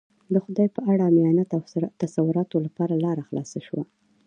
د خدای په اړه عامیانه تصوراتو لپاره لاره خلاصه شوه.